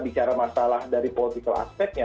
bicara masalah dari political aspeknya